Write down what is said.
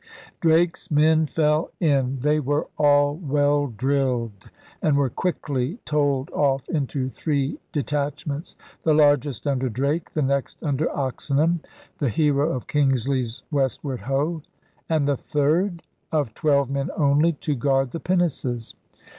Drake's men fell in — they were all well drilled — and were quickly told off into three detachments. The largest under Drake, the next under Oxenham — the hero of Kingsley's Weshcard Ho! — and the third, of twelve men only, to guard the pinnaces.